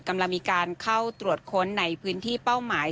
กำลังมีการเข้าตรวจค้นในพื้นที่เป้าหมาย